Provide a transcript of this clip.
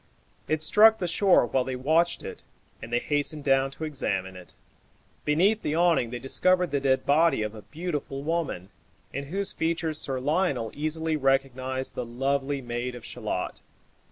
It struck the shore while they watched it, and they hastened down to examine it. Beneath the awning they discovered the dead body of a beautiful woman, in whose features Sir Lionel easily recognized the lovely maid of Shalott.